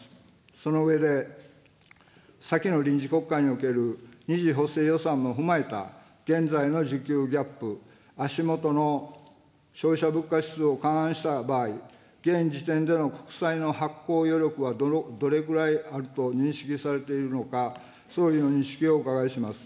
その上で、先の臨時国会における２次補正予算も踏まえた現在の需給ギャップ、足下の消費者物価指数を勘案した場合、現時点での国債の発行余力はどれぐらいあると認識されているのか、総理の認識をお伺いします。